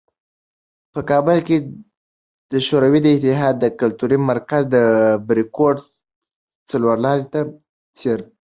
په کابل کې د شوروي اتحاد کلتوري مرکز "بریکوټ" څلورلارې ته څېرمه و.